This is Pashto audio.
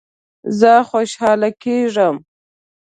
زه خوشحاله کیږم